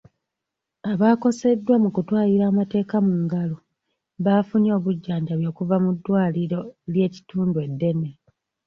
Abakoseddwa mu kutwalira amateeka mu ngalo baafunye obujjanjabi okuva mu ddwaliro ly'ekitundu eddene.